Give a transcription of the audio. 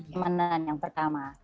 kenyamanan yang pertama